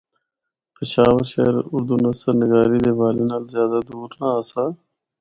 پشاور شہر اُردو نثر نگاری دے حوالے نال زیادہ دور نہ آسا۔